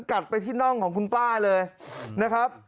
กัดไปที่น่องของคุณป้าเลยนะครับ